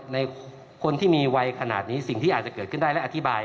ในคนที่มีวัยขนาดนี้สิ่งที่อาจจะเกิดขึ้นได้และอธิบาย